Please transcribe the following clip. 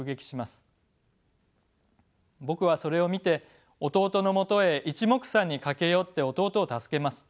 僕はそれを見て弟のもとへいちもくさんに駆け寄って弟を助けます。